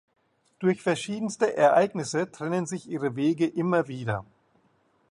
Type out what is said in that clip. Durch verschiedenste Ereignisse trennen sich ihre Wege immer wieder.